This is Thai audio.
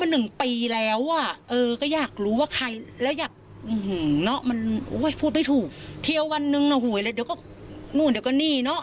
นู่นเดี๋ยวก็นี่เนอะ